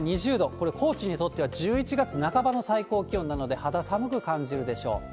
これ、高知にとっては１１月半ばの最高気温なので、肌寒く感じるでしょう。